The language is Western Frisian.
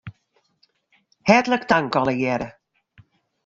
Hertlik tank allegearre.